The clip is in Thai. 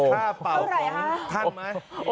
เท่าไหร่ฮะ